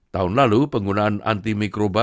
tahun lalu penggunaan antimikroba